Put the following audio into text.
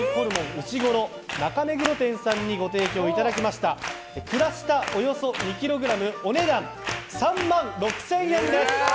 うしごろ中目黒店さんにご提供いただいたクラシタ、およそ２ｋｇお値段３万６０００円です。